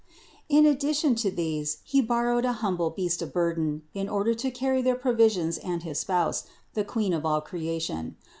In addition to these he borrowed an humble beast of burden, in order to carry their provisions and his Spouse, the Queen of all creation.